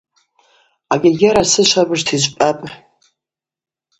Агьагьара асы швабыжта йыжвпӏапӏ.